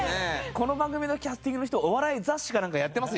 この番組のキャスティングの人お笑い雑誌かなんかやってます？